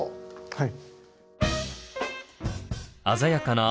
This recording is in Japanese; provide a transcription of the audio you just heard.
はい。